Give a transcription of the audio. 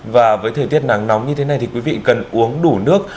và với thời tiết nắng nóng như thế này thì quý vị cần uống đủ nước